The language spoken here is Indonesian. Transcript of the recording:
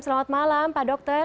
selamat malam pak dokter